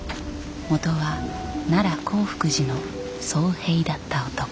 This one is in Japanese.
元は奈良興福寺の僧兵だった男。